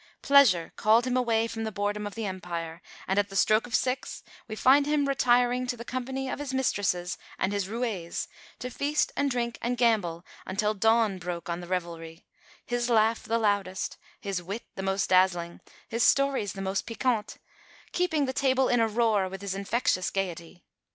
Pleasure called him away from the boredom of empire; and at the stroke of six we find him retiring to the company of his mistresses and his roués to feast and drink and gamble until dawn broke on the revelry his laugh the loudest, his wit the most dazzling, his stories the most piquant, keeping the table in a roar with his infectious gaiety.